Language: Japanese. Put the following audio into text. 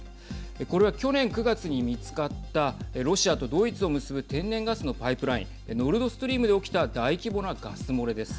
これは去年９月に見つかったロシアとドイツを結ぶ天然ガスのパイプラインノルドストリームで起きた大規模なガス漏れです。